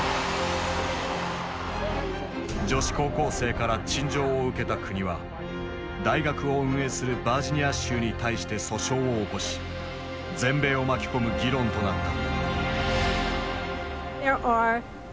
女子高校生から陳情を受けた国は大学を運営するバージニア州に対して訴訟を起こし全米を巻き込む議論となった。